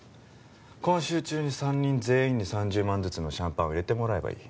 今週中に３人全員に３０万ずつのシャンパンを入れてもらえばいい。